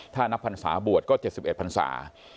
ถ้านับภัณฑ์ศาสตร์บวชก็๗๑ภัณฑ์ศาสตร์